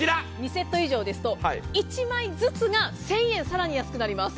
２セット以上ですと、１枚ずつが１０００円、更に安くなります。